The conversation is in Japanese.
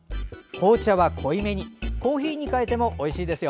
紅茶は濃いめにコーヒーに代えてもおいしいですよ。